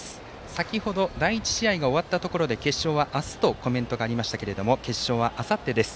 先ほど第１試合が終わったところで決勝は明日とコメントがありましたけれども決勝はあさってです。